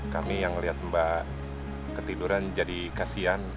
kami yang ngeliat mbak ketiduran jadi kasihan